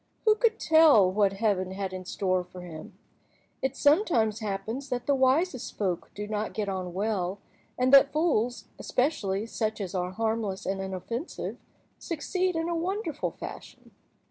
Who could tell what Heaven had in store for him? It sometimes happens that the wisest folk do not get on well, and that fools, especially such as are harmless and inoffensive, succeed in a wonderful fashion.